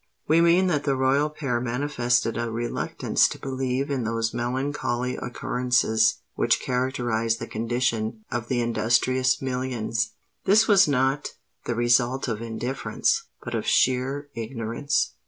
We mean that the royal pair manifested a reluctance to believe in those melancholy occurrences which characterize the condition of the industrious millions. This was not the result of indifference, but of sheer ignorance.